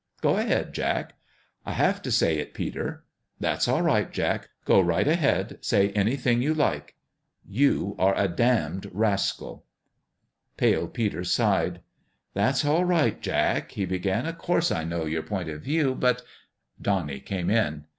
" Go ahead, Jack." " I have to say it, Peter." " That's all right, Jack. Go right ahead. Say anything you like." " You are a damned rascal !" Pale Peter sighed. "That's all right, Jack," PALE PETER'S DONALD 135 he began. " Of course, I know your point of view ; but " Donnie came in.